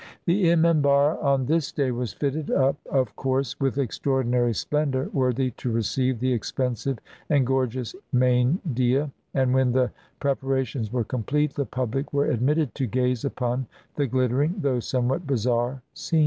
The emanharra on this day was fitted up of course with extraordinary splendor, worthy to receive the ex pensive and gorgeous Mayndieh; and when the prep arations were complete, the public were admitted to gaze upon the glittering though somewhat bizarre scene.